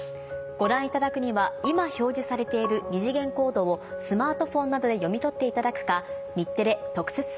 ご覧いただくには今表示されている二次元コードをスマートフォンなどで読み取っていただくか。